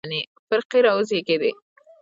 فرقې راوزېږېدې.